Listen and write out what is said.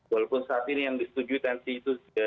walaupun saat ini yang disetujui tensi itu satu ratus delapan puluh